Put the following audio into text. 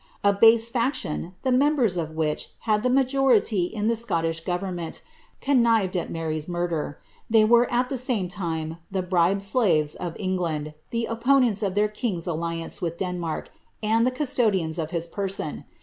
A base Action,' the meq^bers of which had the majority in the Scottish government, connived at Mary^s munler ; they were at the nroe time the bribed slaves of England, the opponents of their king's alliance with Denmark, and the custodians of his person.